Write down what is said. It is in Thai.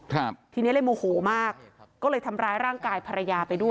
ทีเนี้ยเลยโมโหมากก็เลยทำร้ายร่างกายภรรยาไปด้วย